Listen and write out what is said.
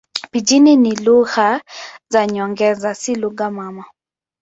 Pijini ni lugha za nyongeza, si lugha mama.